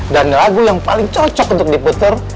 dan lagu yang paling cocok untuk diputer